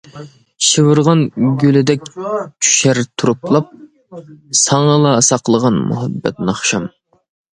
شىۋىرغان گۈلىدەك چۈشەر تورۇكلاپ، ساڭىلا ساقلىغان مۇھەببەت ناخشام.